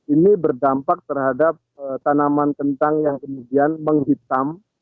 ini berdampak terhadap tanaman kentang yang kemudian menghitam